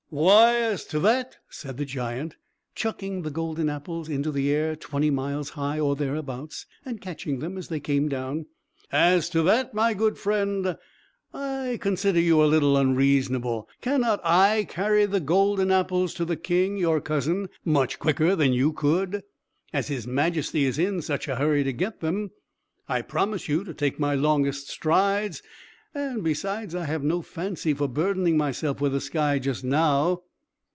"Why, as to that," said the giant, chucking the golden apples into the air twenty miles high, or thereabouts and catching them as they came down "as to that, my good friend, I consider you a little unreasonable. Cannot I carry the golden apples to the king, your cousin, much quicker than you could? As His Majesty is in such a hurry to get them, I promise you to take my longest strides. And, besides, I have no fancy for burdening myself with the sky, just now."